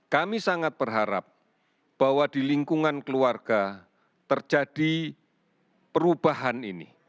kami sangat berharap bahwa di lingkungan keluarga terjadi perubahan ini